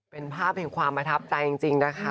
เป็นภาพแห่งความประทับใจจริงนะคะ